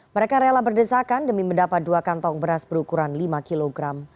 mereka rela berdesakan demi mendapat dua kantong beras berukuran lima kg